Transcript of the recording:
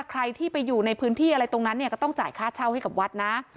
ใครที่ไปอยู่ในพื้นที่อะไรตรงนั้นเนี่ยก็ต้องจ่ายค่าเช่าให้กับวัดนะ